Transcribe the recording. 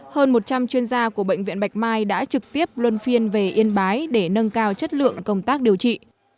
hơn một trăm linh chuyên gia của bệnh viện bạch mai đã trực tiếp luân phiên về yên bái để nâng cao chất lượng công tác điều trị